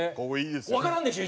わからんでしょ？